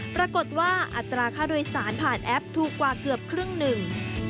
ปรากฏว่าอัตราค่าโดยสารผ่านแอปถูกกว่าเกือบครึ่งหนึ่ง